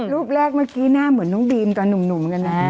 รูปแรกเมื่อกี้หน้าเหมือนน้องบีมตอนหนุ่ม